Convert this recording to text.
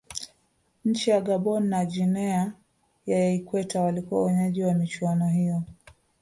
nchi ya gabon na guinea ya ikweta walikuwa wenyeji wa michuano hiyo